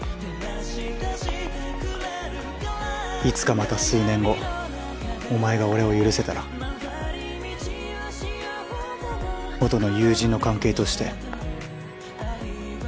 「いつかまた数年後、お前が俺を許せたら、元の友人の関係として」。